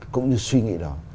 cũng như suy nghĩ đó